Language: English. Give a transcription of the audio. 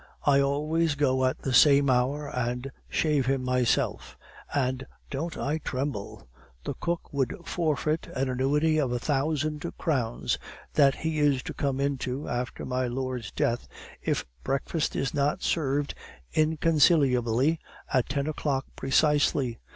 I always go at the same hour and shave him myself; and don't I tremble! The cook would forfeit the annuity of a thousand crowns that he is to come into after my lord's death, if breakfast is not served inconciliably at ten o'clock precisely.